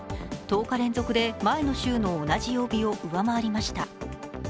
１０日連続で前の週の同じ曜日を上回りました。